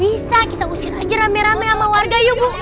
bisa kita usir aja rame rame sama warga yuk bu